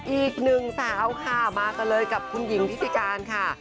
อีกหนึ่งสาวค่ะมากันเลยกับคุณหญิงทิติการค่ะ